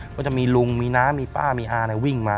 ก็จะมีลุงมีน้ามีป้ามีอาวิ่งมา